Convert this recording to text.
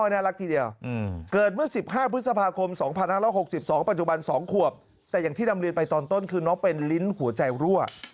น่ารักทีเดียวเกิดเมื่อ๑๕พฤษภาคม๒๕๖๒ปัจจุบัน๒ขวบแต่อย่างที่นำเรียนไปตอนต้นคือน้องเป็นลิ้นหัวใจรั่ว